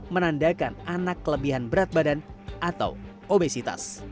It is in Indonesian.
menandakan anak kelebihan berat badan atau obesitas